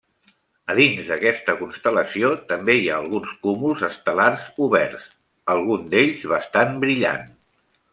A dins d'aquesta constel·lació també hi ha alguns cúmuls estel·lars oberts, algun d'ells bastant brillant.